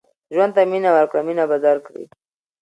ژوند ته مینه ورکړه مینه به درکړي